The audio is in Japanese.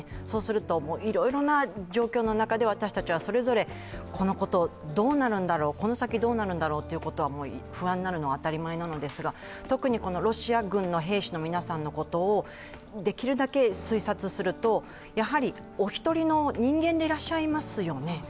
そうすると、いろいろな状況の中で私たちはそれぞれ、このことをどうなるんだろう、この先どうなるんだろうと不安になるのは当たり前なんですが特にロシア軍の兵士の皆さんのことをできるだけ推察すると、お一人の人間でいらっしゃいますよね。